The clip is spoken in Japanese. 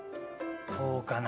そうかな？